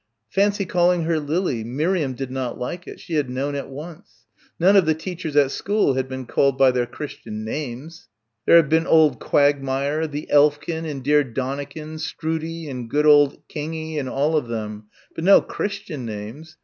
Fancy calling her Lily Miriam did not like it, she had known at once. None of the teachers at school had been called by their Christian names there had been old Quagmire, the Elfkin, and dear Donnikin, Stroodie, and good old Kingie and all of them but no Christian names.